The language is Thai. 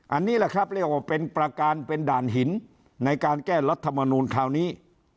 อันนี้แหละครับเรียกว่าเป็นประการเป็นด่านหินในการแก้รัฐมนูลคราวนี้